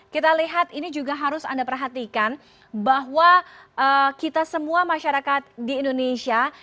kita lihat ini juga harus anda perhatikan bahwa kita semua masyarakat di indonesia